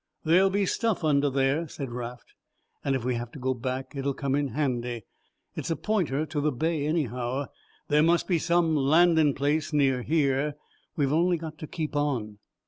"There'll be stuff under there," said Raft, "and if we have to go back it'll come in handy. It's a pointer to the bay anyhow; there must be some landin' place near here, we've only got to keep on."